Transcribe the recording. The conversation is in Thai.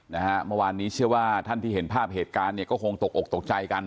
นะคะเมื่อวานนี้เชื่อว่าท่านที่เห็นภาพเกิดการก็คงตกอกตกใจกัน